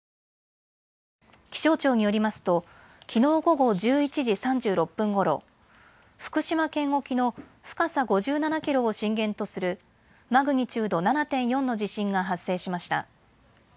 気象庁によりますときのう午後１１時３６分ごろ福島県沖の深さ５７キロを震源とするマグニチュード７．４の地震が発生しました。